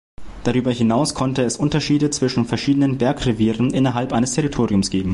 Darüber hinaus konnte es Unterschiede zwischen verschiedenen Bergrevieren innerhalb eines Territoriums geben.